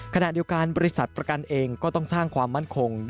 ขณะเดียวกันบริษัทประกันเองก็ต้องสร้างความมั่นคง